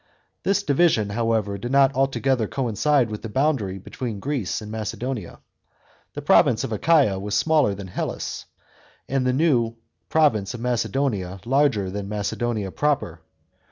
This division, however, did not altogether coincide with the boundary between Greece and Macedonia. The province of Achaia was smaller than Hellas, and the new province of Macedonia larger tl>an Macedonia pioper.